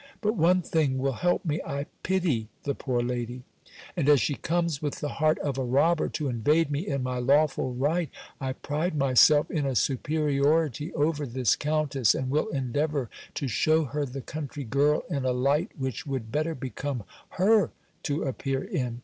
But one thing will help me. I pity the poor lady; and as she comes with the heart of a robber, to invade me in my lawful right, I pride myself in a superiority over this countess; and will endeavour to shew her the country girl in a light which would better become her to appear in.